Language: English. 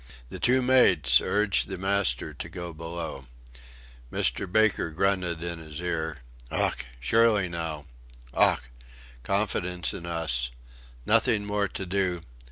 The two mates urged the master to go below. Mr. Baker grunted in his ear: "Ough! surely now... Ough!... confidence in us... nothing more to do...